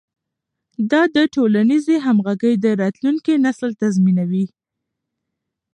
دا د ټولنیزې همغږۍ د راتلونکي نسل تضمینوي.